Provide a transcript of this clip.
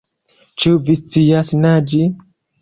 Ĉu vi scias naĝi?